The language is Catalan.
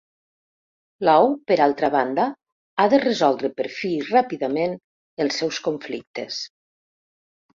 Law, per altra banda, ha de resoldre per fi i ràpidament els seus conflictes.